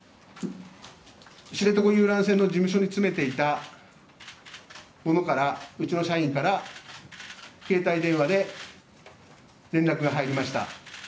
私は知床遊覧船の事務所に詰めていた者から、うちの社員から、携帯電話で連絡が入りました。